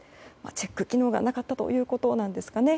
チェック機能がなかったということなんですかね。